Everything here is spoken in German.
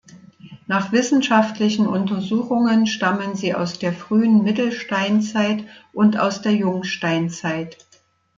Nach wissenschaftlichen Untersuchungen stammen sie aus der frühen Mittelsteinzeit und aus der Jungsteinzeit.